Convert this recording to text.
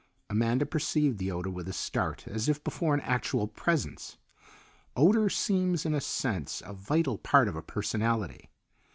Amanda perceived the odour with a start as if before an actual presence. Odour seems in a sense a vital part of a personality.